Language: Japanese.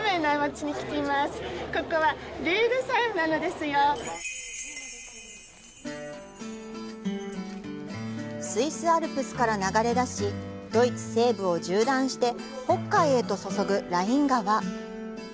今ねスイスアルプスから流れ出し、ドイツ西部を縦断して北海へと注ぐライン川。